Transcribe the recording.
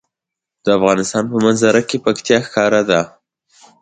د افغانستان په منظره کې پکتیا ښکاره ده.